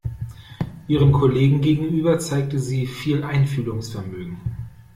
Ihren Kollegen gegenüber zeigte sie viel Einfühlungsvermögen.